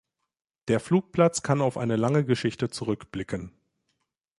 Der Flugplatz kann auf eine lange Geschichte zurückblicken.